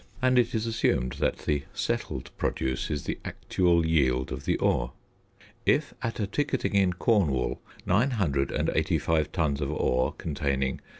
and it is assumed that the "settled" produce is the actual yield of the ore. If at a ticketing in Cornwall 985 tons of ore containing 63.